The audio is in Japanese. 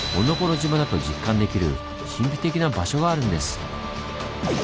島だと実感できる神秘的な場所があるんです。